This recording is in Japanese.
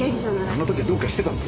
あのときはどうかしてたんだ。